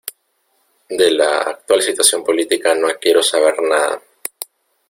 De la actual situación política no quiero saber nada.